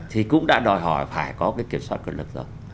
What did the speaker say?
thì cũng đã đòi hỏi phải có cái kiểm soát quyền lực rồi